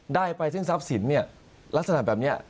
ได้ไปซึ่งทรัพย์สินเนี่ยลักษณะแบบนี้